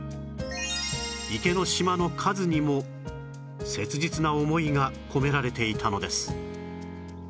池の島の数にも切実な思いが込められていたのです